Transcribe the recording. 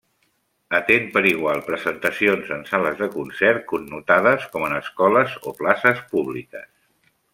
Atén per igual presentacions en sales de concert connotades com en escoles o places públiques.